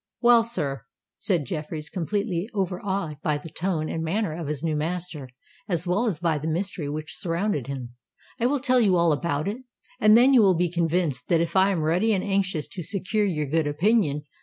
"Well, sir," said Jeffreys, completely over awed by the tone and manner of his new master, as well as by the mystery which surrounded him; "I will tell you all about it—and then you will be convinced that I am ready and anxious to secure your good opinion.